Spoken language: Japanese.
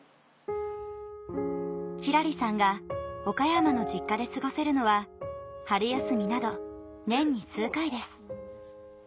きらりさんが岡山の実家で過ごせるのは春休みなど年に数回です